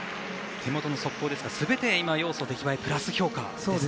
手元の速報ですが全ての要素、出来栄えでプラス評価です。